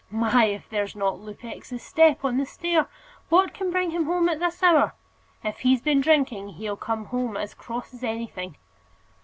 My! if there's not Lupex's step on the stair! What can bring him home at this hour? If he's been drinking, he'll come home as cross as anything."